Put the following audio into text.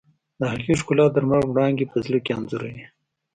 د هغې ښکلا د لمر وړانګې په زړه کې انځوروي.